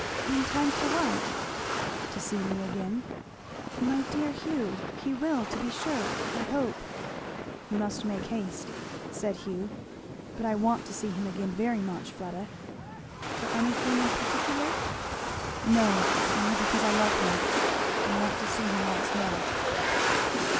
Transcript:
"In time for what?" "To see me again." "My dear Hugh! he will to be sure, I hope." "He must make haste," said Hugh. "But I want to see him again very much, Fleda." "For anything in particular?" "No only because I love him. I want to see him once more."